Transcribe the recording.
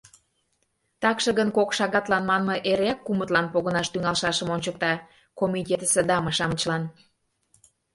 Такше гын, «кок шагатлан» манме эреак кумытлан погынаш тӱҥалшашым ончыкта... комитетысе даме-шамычлан.